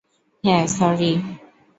হ্যাঁ, স্যরি।